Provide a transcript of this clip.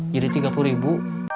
jadi tiga puluh ribu